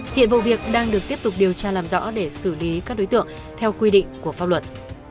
hiện vụ việc đang được tiếp tục điều tra làm rõ để xử lý các đối tượng theo quy định của pháp luật